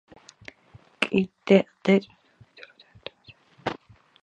კლდე წმიდა ადგილად ითვლებოდა, ამიტომ მასზე ასვლა კატეგორიულად იკრძალებოდა.